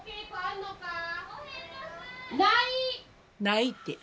ないって。